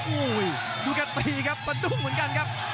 โอ้โหดูกันตีครับสะดุ้งเหมือนกันครับ